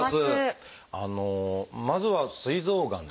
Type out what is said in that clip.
まずは「すい臓がん」。